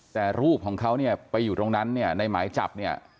แต่รูปของเขาไปอยู่ตรงนั้นในหมายจับ